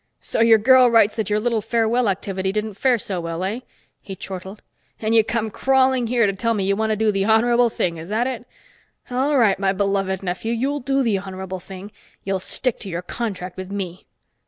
"So your girl writes that your little farewell activity didn't fare so well, eh?" he chortled. "And you come crawling here to tell me you want to do the honorable thing, is that it? All right, my beloved nephew, you'll do the honorable thing! You'll stick to your contract with me."